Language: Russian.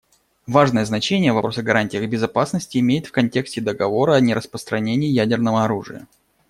Важное значение вопрос о гарантиях безопасности имеет в контексте Договора о нераспространении ядерного оружия.